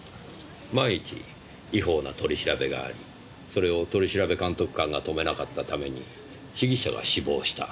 万一違法な取り調べがありそれを取調監督官が止めなかったために被疑者が死亡した。